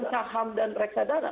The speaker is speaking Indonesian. saham dan reksadana